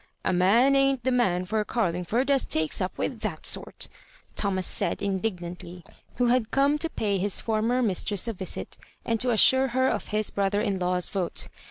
" A man ain't the man for Oarlingford as takes up with that sort," Thomas said, indignanUy, who had come to pay his former mistress a yisit, and to assure her of his brother in law's yote.